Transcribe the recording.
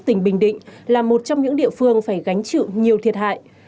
tỉnh bình định là một trong những địa phương phải gánh chịu nhiều thiệt hại